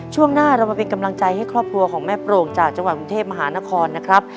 ช่วงหน้าเรามาเป็นกำลังใจให้ครอบครัวของแม่โปร่งจากจังหวัดกรุงเทพมหานครนะครับ